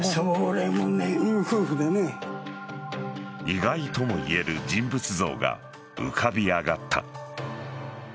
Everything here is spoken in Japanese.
意外ともいえる人物像が浮かび上がった。